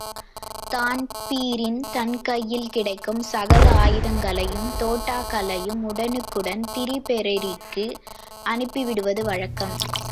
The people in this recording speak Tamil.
தான்பிரீன் தன் கையில் கிடைக்கும் சகல ஆயுதங்களையும் தோட்டாக்களையும் உடனுக்குடன் திப்பெரரிக்கு அனுப்பி விடுவது வழக்கம்.